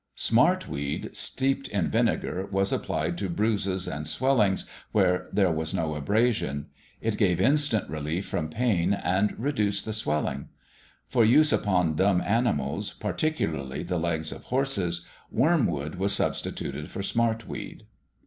Smartweed steeped in vinegar was applied to bruises and swellings where there was no abrasion; it gave instant relief from pain and reduced the swelling. For use upon dumb animals, particularly the legs of horses, wormwood was substituted for smartweed.